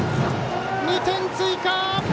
２点追加。